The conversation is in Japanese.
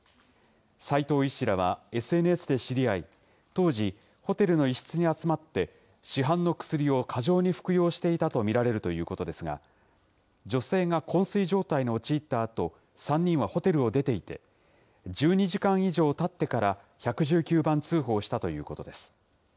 齋藤医師らはＳＮＳで知り合い、当時、ホテルの一室に集まって、市販の薬を過剰に服用していたと見られるということですが、女性がこん睡状態に陥ったあと、３人はホテルを出ていて、１２時間以上たってから、１１９番通報したということです。